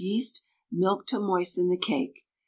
yeast, milk to moisten the cake.